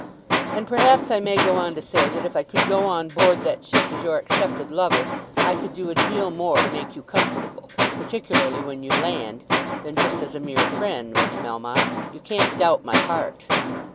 "And perhaps I may go on to say that if I could go on board that ship as your accepted lover, I could do a deal more to make you comfortable, particularly when you land, than just as a mere friend, Miss Melmotte. You can't doubt my heart."